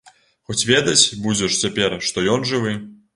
Хоць ведаць будзеш цяпер, што ён жывы.